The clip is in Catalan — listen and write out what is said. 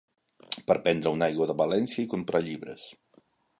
Per prendre una aigua de València i comprar llibres.